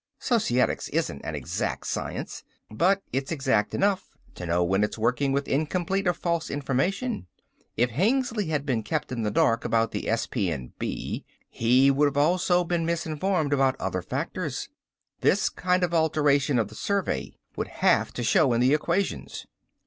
Societics isn't an exact science. But it's exact enough to know when it is working with incomplete or false information. If Hengly had been kept in the dark about the S.P.N.B., he would also have been misinformed about other factors. This kind of alteration of survey would have to show in the equations.